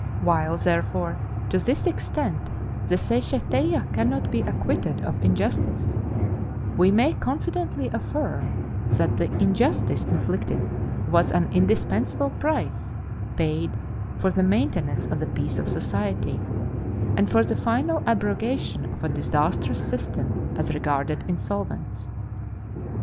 While, therefore, to this extent, the Seisachtheia cannot be acquitted of injustice, we may confidently affirm that the injustice inflicted was an indispensable price paid for the maintenance of the peace of society, and for the final abrogation of a disastrous system as regarded insolvents.